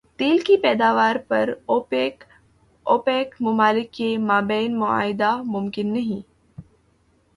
تیل کی پیداوار پر اوپیک ممالک کے مابین معاہدہ ممکن نہیں